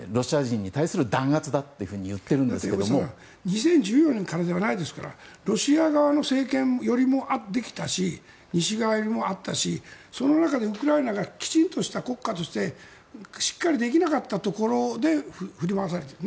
２０１４年からではないですからロシア側の政権寄りもできたし西側寄りもあったしその中でウクライナがきちんとした国家としてしっかりできなかったところで振り回されている。